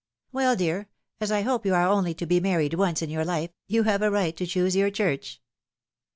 " Well, dear, as I hope you are only to be married once in your life, you have a right to choose your church."